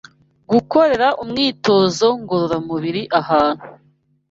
Gukorera umwitozo ngororamubiri ahantu